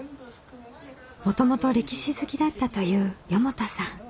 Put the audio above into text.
もともと歴史好きだったという四方田さん。